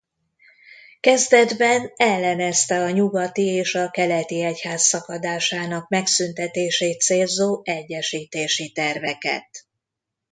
Kezdetben ellenezte a nyugati és a keleti egyház szakadásának megszüntetését célzó egyesítési terveket.